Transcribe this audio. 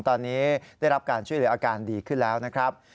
ตอนนี้ได้รับการช่วยเหลืออาการดีขึ้นแล้วนะครับ